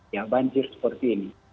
ya banjir seperti ini